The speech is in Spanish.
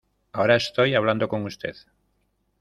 ahora estoy hablando con usted.